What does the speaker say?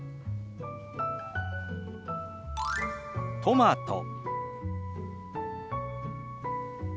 「トマト」。